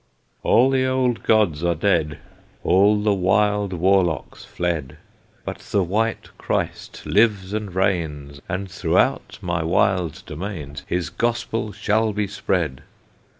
"All the old gods are dead, All the wild warlocks fled; But the White Christ lives and reigns, And throughout my wide domains His Gospel shall be spread!"